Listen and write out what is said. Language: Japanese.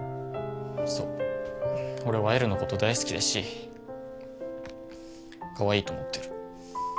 そう俺はエルのこと大好きだしかわいいと思ってる。